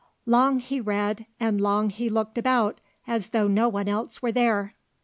Long he read and long he looked about as though no one else were there.